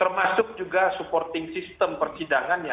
termasuk juga supporting system persidangannya